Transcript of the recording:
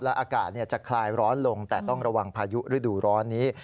อากาศจะคลายร้อนลงแต่ต้องระวังพายุฤดูร้อนนี้